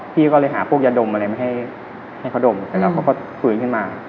พี่ก็เลยหาพวกยาดมอะไรมาให้เขาดมเสร็จแล้วเขาก็ฟื้นขึ้นมา